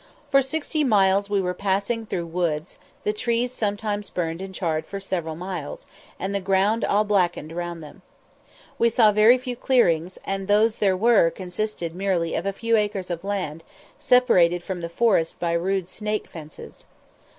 For sixty miles we were passing through woods, the trees sometimes burned and charred for several miles, and the ground all blackened round them. We saw very few clearings, and those there were consisted merely of a few acres of land, separated from the forest by rude "snake fences."